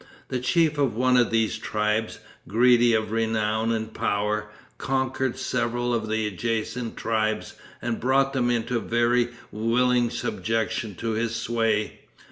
The chief of one of these tribes, greedy of renown and power, conquered several of the adjacent tribes, and brought them into very willing subjection to his sway.